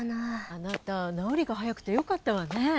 あなたなおりがはやくてよかったわね。